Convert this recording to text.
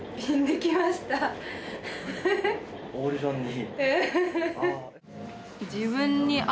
オーディションに？